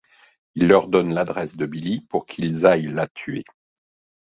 Il leur donne l'adresse de Billy pour qu'ils aillent la tuer.